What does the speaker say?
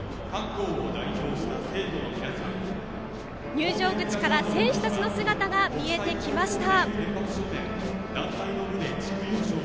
入場口から選手たちの姿が見えてきました。